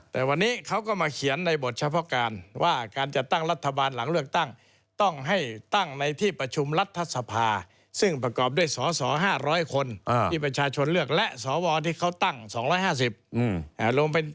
แต่วันนี้เขาก็มาเขียนในบทเฉพาะการว่าการจัดตั้งรัฐบาลหลังเลือกตั้งต้องให้ตั้งในที่ประชุมรัฐสภาซึ่งประกอบด้วยสส๕๐๐คนที่ประชาชนเลือกและสวที่เขาตั้ง๒๕๐ลงเป็น